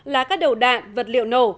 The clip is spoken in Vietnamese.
là các đầu đạn vật liệu nổ